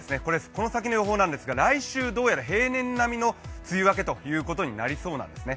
この先、来週どうやら平年並みの梅雨明けということになりそうなんですね。